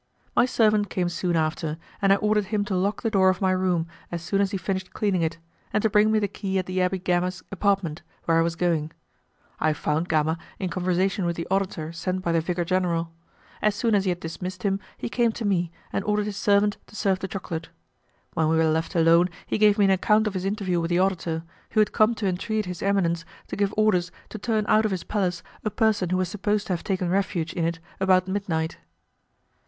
My servant came soon after, and I ordered him to lock the door of my room as soon as he finished cleaning it, and to bring me the key at the Abbé Gama's apartment, where I was going. I found Gama in conversation with the auditor sent by the Vicar General. As soon as he had dismissed him, he came to me, and ordered his servant to serve the chocolate. When we were left alone he gave me an account of his interview with the auditor, who had come to entreat his eminence to give orders to turn out of his palace a person who was supposed to have taken refuge in it about midnight.